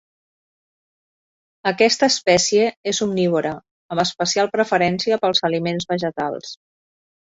Aquesta espècie és omnívora, amb especial preferència pels aliments vegetals.